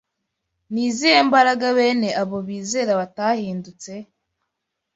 Ni izihe mbaraga bene abo bizera batahindutse